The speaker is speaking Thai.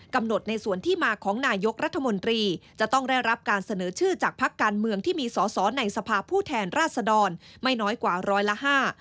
ในส่วนที่มาของนายกรัฐมนตรีจะต้องได้รับการเสนอชื่อจากพักการเมืองที่มีสอสอในสภาพผู้แทนราชดรไม่น้อยกว่าร้อยละห้า